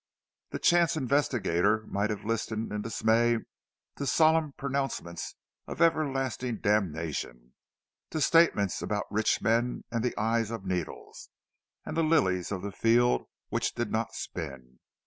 The chance investigator might have listened in dismay to solemn pronouncements of everlasting damnation, to statements about rich men and the eyes of needles, and the lilies of the field which did not spin.